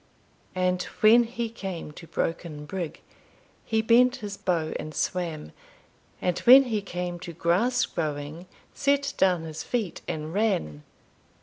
And when he came to broken brigg, He bent his bow and swam; And when he came to grass growing, Set down his feet and ran.